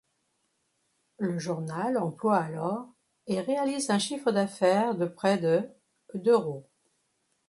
Le journal emploie alors et réalise un chiffre d'affaires de près de d'euros.